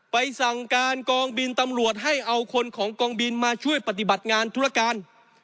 สั่งการกองบินตำรวจให้เอาคนของกองบินมาช่วยปฏิบัติงานธุรการ